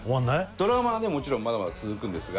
ドラマはねもちろんまだまだ続くんですが。